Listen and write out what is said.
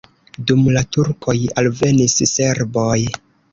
Dum la turkoj alvenis serboj.